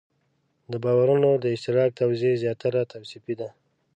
د باورونو د اشتراک توضیح زیاتره توصیفي ده.